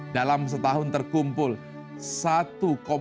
dalam setahun terkumpul satu dua puluh sembilan juta metrik ton